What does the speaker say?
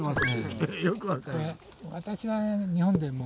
私は日本でも。